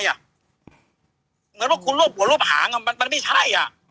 เหมือนว่าคุณรวบหัวรวบหางมันไม่ใช่